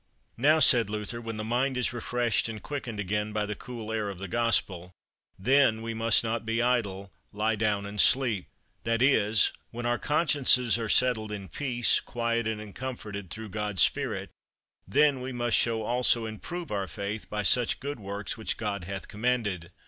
Now, said Luther, when the mind is refreshed and quickened again by the cool air of the Gospel, then we must not be idle, lie down and sleep; that is, when our consciences are settled in peace, quieted and comforted through God's spirit, then we must show also and prove our faith by such good works which God hath commanded.